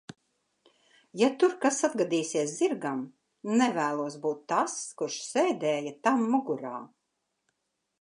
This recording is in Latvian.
Ja tur kas atgadīsies zirgam, nevēlos būt tas, kurš sēdēja tam mugurā.